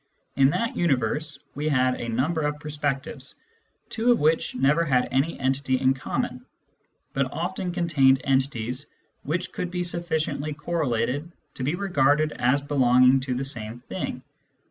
In that universe, we had a number of perspectives, two of which never had any entity in common, but often contained entities which could be sufficiently correlated to be regarded as belonging to the same thing.